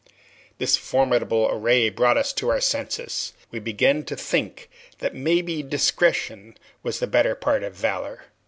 This formidable array brought us to our senses: we began to think that maybe discretion was the better part of valor.